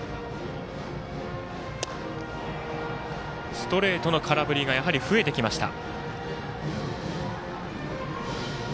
ストレートの空振りがやはり増えてきました。